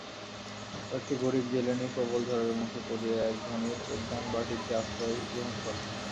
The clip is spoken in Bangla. কয়েকটি গরীব জেলেনী প্রবল ঝড়ের মুখে পড়িয়া এক ধনীর উদ্যানবাটীতে আশ্রয় গ্রহণ করে।